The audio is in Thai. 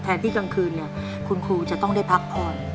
ที่กลางคืนเนี่ยคุณครูจะต้องได้พักผ่อน